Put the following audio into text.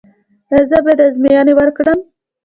ایا زه باید ازموینې وکړم؟